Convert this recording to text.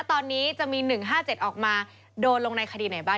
ตอนนี้จะมี๑๕๗ออกมาโดนลงในคดีไหนบ้าง